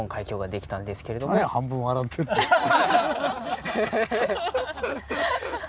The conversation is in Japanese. なに半分笑ってるんですか。